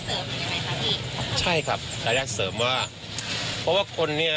เสริมมั้ยไหมคะพี่ช่ายครับแต่ได้เสริมว่าเพราะว่าคนเนี่ย